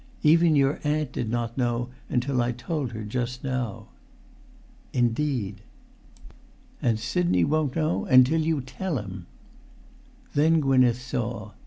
"Even your aunt did not know until I told her just now." "Indeed." "And Sidney won't know until you tell him!" Then Gwynneth saw.